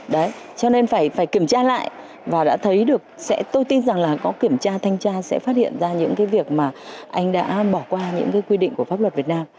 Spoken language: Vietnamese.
đấy cho nên phải kiểm tra lại và đã thấy được tôi tin rằng là có kiểm tra thanh tra sẽ phát hiện ra những cái việc mà anh đã bỏ qua những cái quy định của pháp luật việt nam